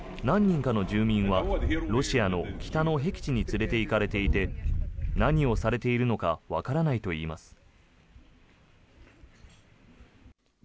何人かの住民はロシアの北のへき地に連れていかれていて何をされているのかわからないといいます。